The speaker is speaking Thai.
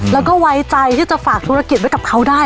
แล้วก็ไว้ใจที่จะฝากธุรกิจไว้กับเขาได้